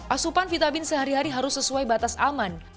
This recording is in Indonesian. asupan vitamin sehari hari harus sesuai batas aman